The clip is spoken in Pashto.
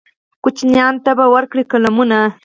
ماشومانو ته به ورکړي قلمونه